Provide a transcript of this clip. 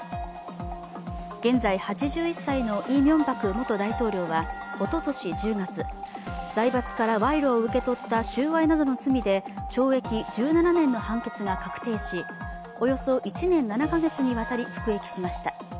現在８１歳のイ・ミョンバク元大統領は一昨年１０月、財閥から賄賂を受け取った収賄などの罪で懲役１７年の判決が確定し、およそ１年７か月にわたり服役しました。